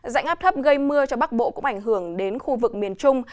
dạnh áp thấp gây mưa cho bắc bộ cũng ảnh hưởng đến khu vực miền trung